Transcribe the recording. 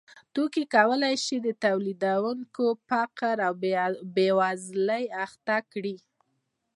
توکي کولای شي تولیدونکی په فقر او بېوزلۍ اخته کړي